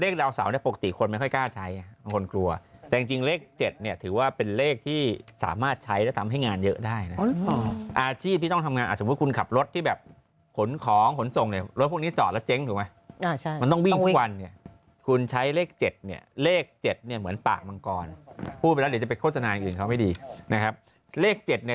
เขียนชื่อมดดำทำไมเหมือนจะเผาแล้ว